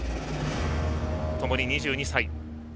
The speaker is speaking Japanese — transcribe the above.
ともに２２歳。